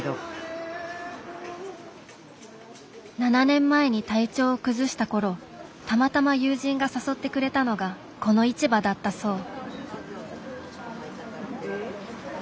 ７年前に体調を崩した頃たまたま友人が誘ってくれたのがこの市場だったそう。